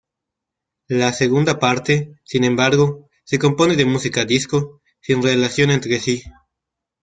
La segunda parte, sin embargo, se compone de música disco, sin relación entre sí.